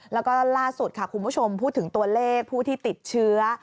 แล้วก็ล่าสุดค่ะคุณผู้ชมพูดถึงตัวเลขผู้ที่ติดเชื้อ